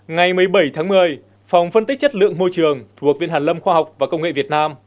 ngày một mươi bảy tháng một mươi phòng phân tích chất lượng môi trường thuộc viện hàn lâm khoa học và công nghệ việt nam